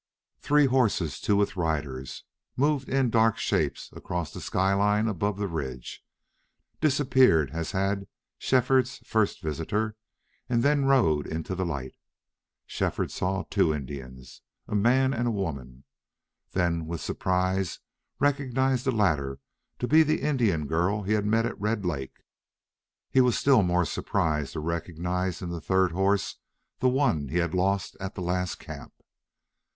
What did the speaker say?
Three horses, two with riders, moved in dark shapes across the skyline above the ridge, disappeared as had Shefford's first visitor, and then rode into the light. Shefford saw two Indians a man and a woman; then with surprise recognized the latter to be the Indian girl he had met at Red Lake. He was still more surprised to recognize in the third horse the one he had lost at the last camp.